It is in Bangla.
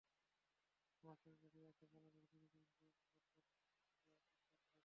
আমার সামনে দাঁড়িয়ে আছে বাংলাদেশ গণিত অলিম্পিয়াডের সবচেয়ে পুরোনো স্বেচ্ছাসেবক আয়ুব সরকার।